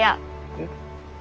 うん？